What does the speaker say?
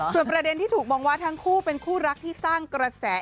ส่วนประเด็นที่ถูกมองว่าทั้งคู่เป็นคู่รักที่สร้างกระแส